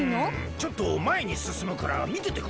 ちょっとまえにすすむからみててくれ！